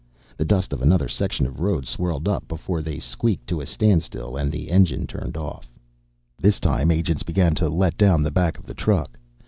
The dust of another section of road swirled up before they squeaked to a standstill and the engine turned off. This time, agents began to let down the back of the truck.